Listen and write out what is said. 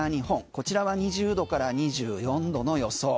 こちらは２０度から２４度の予想。